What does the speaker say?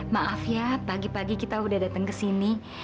maaf ya pagi pagi kita udah datang ke sini